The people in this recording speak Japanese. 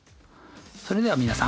それでは皆さん。